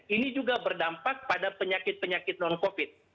ini juga berdampak pada penyakit penyakit non covid